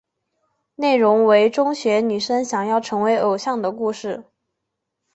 内容为中学女生想要成为偶像的故事。